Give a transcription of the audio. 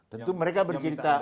tentu mereka berkita